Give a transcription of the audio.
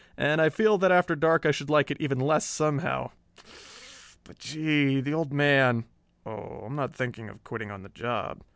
And I feel that after dark I should like it even less, somehow. But, gee, the Old Man...." "Oh, I'm not thinking of quitting on the job.